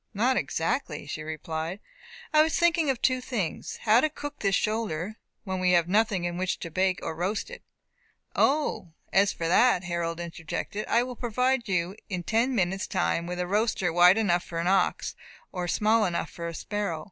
"Not exactly," she replied; "I was thinking of two things; how to cook this shoulder, when we have nothing in which to bake or roast it " "O, as for that," Harold interjected, "I will provide you in ten minutes' time with a roaster wide enough for an ox, or small enough for a sparrow.